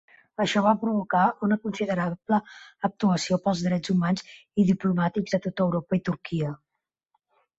Això va provocar una considerable actuació pels drets humans i diplomàtics a tot Europa i Turquia.